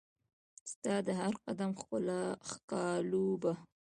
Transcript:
ستا د هرقدم ښکالو به